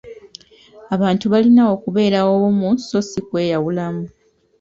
Abantu balina okubeera obumu so ssi kweyawulamu.